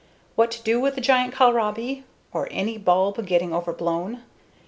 What to do with a giant kohlrabi (or any bulb getting overblown)?